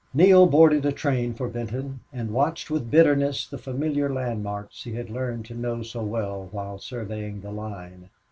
Neale boarded a train for Benton and watched with bitterness the familiar landmarks he had learned to know so well while surveying the line.